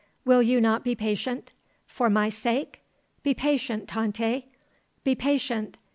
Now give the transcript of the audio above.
Will you not be patient? For my sake? Be patient, Tante. Be patient.